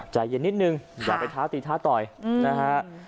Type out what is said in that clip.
ใจเย็นนิดนึงอย่าไปท้าตีท้าต่อยนะฮะ